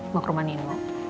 mau ke rumah nino